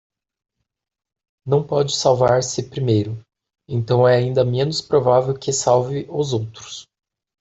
Não pode salvar-se primeiro, então é ainda menos provável que salve os outros